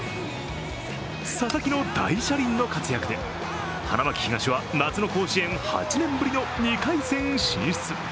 佐々木の大車輪の活躍で花巻東は夏の甲子園８年ぶりの２回戦進出。